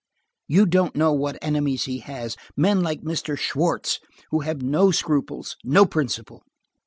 You don't know what enemies he has! Men like Mr. Schwartz, who have no scruples, no principle."